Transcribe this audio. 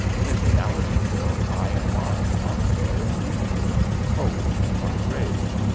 In reality, Phil, I am lying out there in Greenwood, cold in my grave.